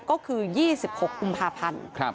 ก็คือ๒๖กุมภาพันธ์